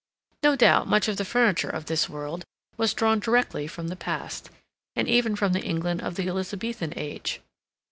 No doubt much of the furniture of this world was drawn directly from the past, and even from the England of the Elizabethan age.